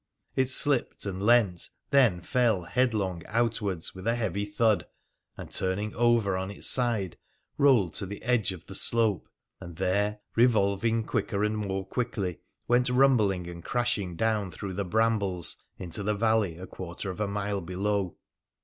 It slipped and leant, then fell headlong outwards with a heavy thud, and, turning over on its side, rolled to the edge of the slope, and there, revolving quicker and more quickly, went rumbling and crashing down through the brambles into the valley a quarter of a mile below.